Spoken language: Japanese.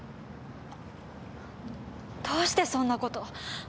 どうしてそんな事。